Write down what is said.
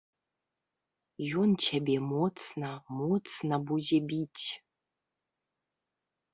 Ён цябе моцна, моцна будзе біць.